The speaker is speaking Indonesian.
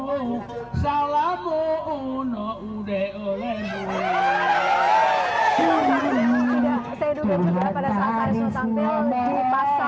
jadi saling berbalas pantun saling menggoda